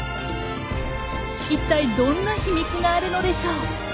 いったいどんな秘密があるのでしょう？